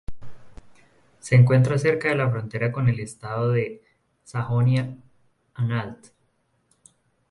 Se encuentra cerca de la frontera con el estado de Sajonia-Anhalt.